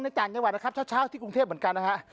ในจ่างยาวันนะครับเช้าที่กรุงเทพฯเหมือนกันนะครับ